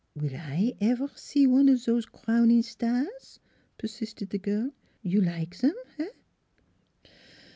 " Will I evaire see one of zose crown in stars?" persisted the girl. "You like zem eh?"